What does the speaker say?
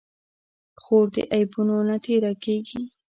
خور د عیبونو نه تېره کېږي.